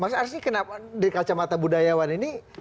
mas arsy kenapa di kacamata budayawan ini